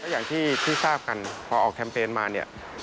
อย่างที่ทราบกันพอออกแคมเปญมาเนี่ย